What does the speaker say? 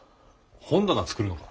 本棚作るのか？